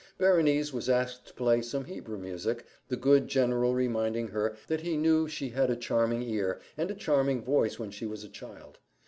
Berenice was asked to play some Hebrew music, the good general reminding her that he knew she had a charming ear and a charming voice when she was a child.